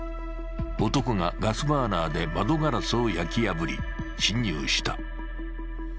男がガスバーナーで窓ガラスを焼き破り侵入した。